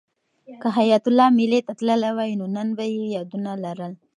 که حیات الله مېلې ته تللی وای نو نن به یې یادونه لرل.